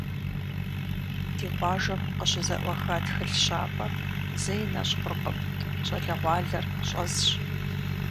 Ди къуажэм къыщызэӏуаха тхылъ щапӏэр зэи нэщӏ хъуркъым, щӏалэгъуалэр щӏэзщ.